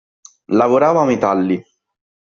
Lavorava metalli.